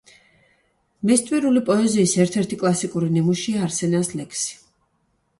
მესტვირული პოეზიის ერთ-ერთი კლასიკური ნიმუშია „არსენას ლექსი“.